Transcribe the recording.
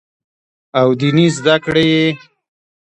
او ديني زدکړې ئې